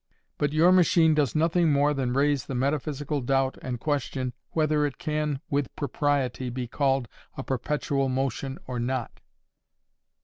But your machine does nothing more than raise the metaphysical doubt and question, whether it can with propriety be called a perpetual motion or not?"